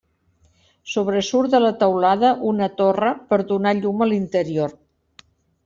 Sobresurt de la teulada una torre per donar llum a l'interior.